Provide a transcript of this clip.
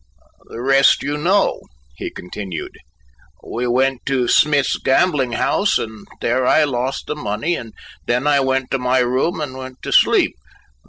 "The rest you know," he continued; "we went to Smith's gambling house, and there I lost the money, and then I went to my room and went to sleep.